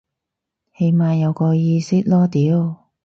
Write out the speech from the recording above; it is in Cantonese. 起碼有個意識囉屌